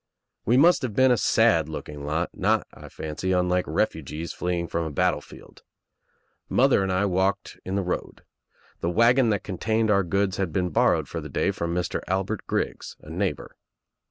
We must have been a sad looking lot, not, I fancy, unlike refugees fleeing from a battlefield. Mother and I walked in the road. The wagon that contained our goods had been borrowed for the day from Mr. Albert Griggs, a neighbor.